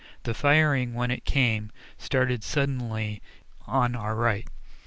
The firing, when it came, started suddenly on our right.